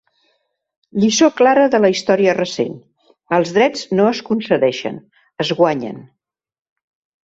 Lliçó clara de la història recent: els drets no es concedeixen, es guanyen.